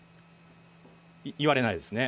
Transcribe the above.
言われないですね。